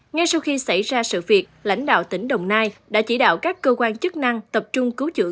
ngay sau khi xảy ra sự việc lãnh đạo tỉnh đồng nai đã chỉ đạo các cơ quan chức năng tập trung cứu chữa